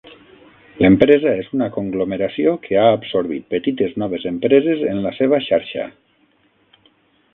L'empresa és una conglomeració que ha absorbit petites noves empreses en la seva xarxa.